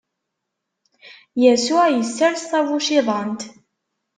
Yasuɛ isers tabuciḍant.